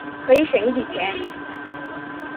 可以省一笔钱